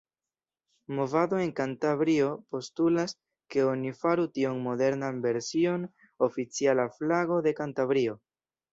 Movado en Kantabrio postulas, ke oni faru tiun modernan version oficiala flago de Kantabrio.